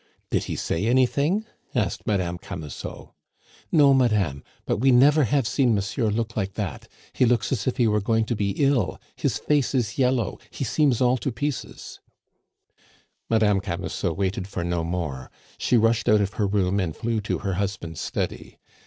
"Did he say anything?" asked Madame Camusot. "No, madame; but we never have seen monsieur look like that; he looks as if he were going to be ill, his face is yellow he seems all to pieces " Madame Camusot waited for no more; she rushed out of her room and flew to her husband's study.